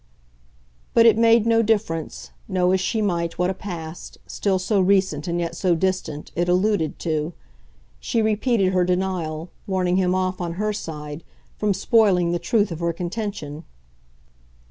But it made no difference, know as she might what a past still so recent and yet so distant it alluded to; she repeated her denial, warning him off, on her side, from spoiling the truth of her contention.